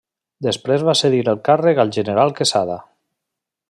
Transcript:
Després va cedir el càrrec al general Quesada.